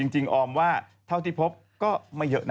ออมว่าเท่าที่พบก็ไม่เยอะนะ